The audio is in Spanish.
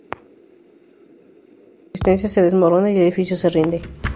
Tras unas horas, la resistencia se desmorona y el edificio se rinde.